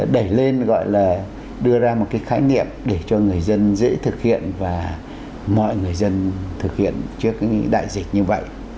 đẩy lên gọi là đưa ra một cái khái niệm để cho người dân dễ thực hiện và mọi người dân thực hiện trước đại dịch như vậy